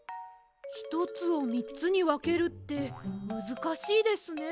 ひとつをみっつにわけるってむずかしいですね。